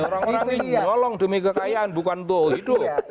orang orang ini menolong demi kekayaan bukan untuk hidup